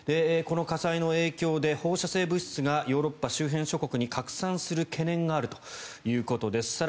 この火災の影響で、放射性物質がヨーロッパ周辺諸国に拡散する懸念があるということです。